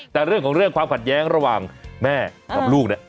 แต่เรื่องของเรื่องความขัดแย้งระหว่างแม่กับลูกเนี่ย